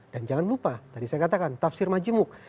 dan jangan lupa tadi saya katakan tafsir majemuk